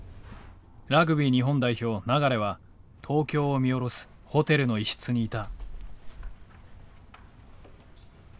ラグビー日本代表流は東京を見下ろすホテルの一室にいた。